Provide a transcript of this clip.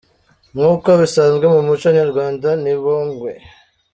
Nk'uko bisanzwe mu muco nyarwanda, ni bonkwe!.